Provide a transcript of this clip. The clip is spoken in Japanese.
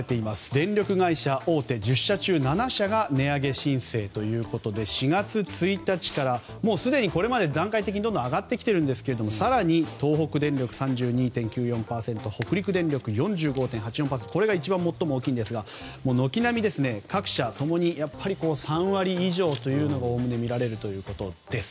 電力会社大手１０社中７社が値上げ申請ということで４月１日からすでにこれまでにも段階的に上がってきているんですが更に、東北電力３２．９４％北陸電力４５．８４％とこれが最も大きいんですが軒並み、各社共に３割以上がおおむね見られるということです。